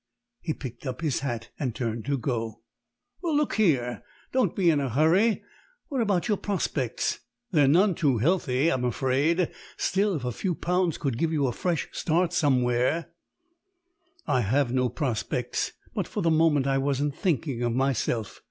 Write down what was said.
He picked up his hat and turned to go. "Well, but look here; don't be in a hurry. What about your prospects? They're none too healthy, I'm afraid. Still, if a few pounds could give you a fresh start somewhere " "I have no prospects, but for the moment I wasn't thinking of myself.